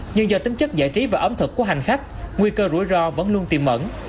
nhưng do tính chất giải trí và ấm thực của hành khách nguy cơ rủi ro vẫn luôn tìm mẫn